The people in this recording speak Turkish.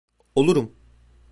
Olurum.